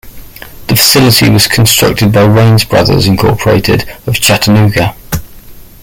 The facility was constructed by Raines Brothers, Incorporated of Chattanooga.